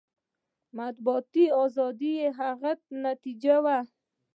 مطبوعاتي ازادي یې هغه نتایج وو.